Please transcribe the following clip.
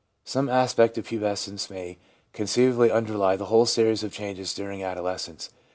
Some aspect of pubescence may conceivably underlie the whole series of changes during adolescence.